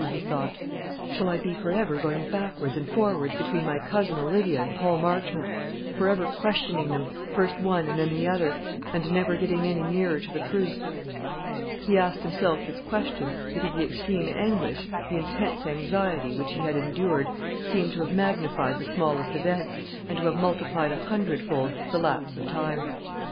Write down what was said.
he thought. "Shall I be for ever going backwards and forwards between my Cousin Olivia and Paul Marchmont; for ever questioning them, first one and then the other, and never getting any nearer to the truth?" He asked himself this question, because the extreme anguish, the intense anxiety, which he had endured, seemed to have magnified the smallest events, and to have multiplied a hundred fold the lapse of time.